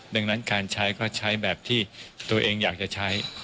ดังนั้นการใช้ก็ใช้แบบที่ตัวเองอยากจะใช้